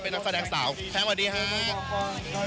เป็นนักแสดงสาวครับสวัสดีครับ